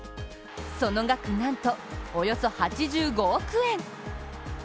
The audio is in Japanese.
その額なんとおよそ８５億円。